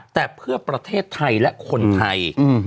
แต่เพื่อประเทศไทยและคนไทย